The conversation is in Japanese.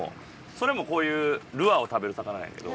それもこういうルアーを食べる魚なんやけど。